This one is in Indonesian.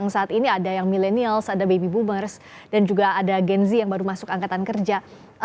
saat ini ada yang millennials ada baby boomers dan juga ada gen z yang baru masuk angkatan kerja